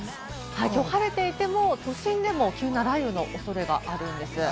きょう晴れていても、都心でも急な雷雨のおそれがあるんです。